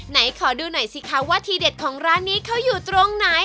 ไหนขอดูหน่อยสิคะว่าทีเด็ดของร้านนี้เขาอยู่ตรงไหน